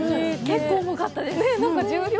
結構重かったです。